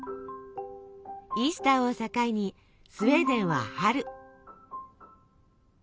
イースターを境にスウェーデンは春。